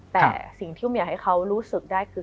แต่สิ่งที่อยากให้เขารู้สึกได้คือ